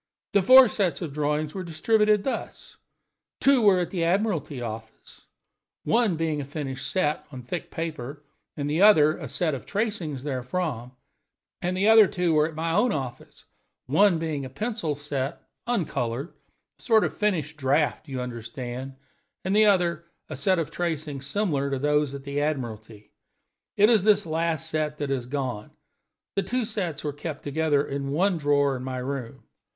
The four sets of drawings were distributed thus: Two were at the Admiralty Office, one being a finished set on thick paper, and the other a set of tracings therefrom; and the other two were at my own office, one being a penciled set, uncolored a sort of finished draft, you understand and the other a set of tracings similar to those at the Admiralty. It is this last set that has gone. The two sets were kept together in one drawer in my room.